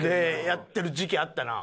やってる時期あったな。